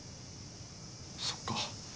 そっか。